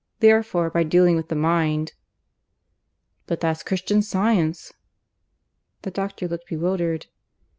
Therefore by dealing with the mind " "But that's Christian Science!" The doctor looked bewildered.